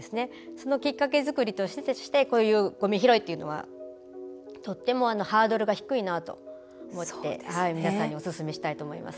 そのきっかけ作りとしてごみ拾いというのが、とてもハードルが低いなと思って皆さんにおすすめしたいと思います。